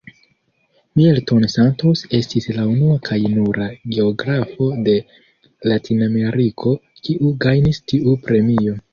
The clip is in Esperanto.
Milton Santos estis la unua kaj nura geografo de Latinameriko, kiu gajnis tiu premio.